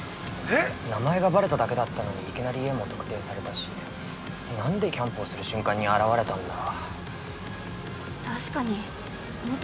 名前がばれただけだったのにいきなり家も特定されたし、何でキャンプをする瞬間に現れたんだ。